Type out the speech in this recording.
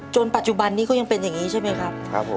ปัจจุบันนี้ก็ยังเป็นอย่างนี้ใช่ไหมครับผม